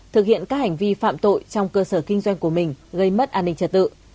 thực hiện các hành vi phạm tội trong cơ sở kinh doanh của mình gây mất an ninh trật tự